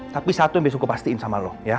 tapi satu yang besok gue pastiin sama lo ya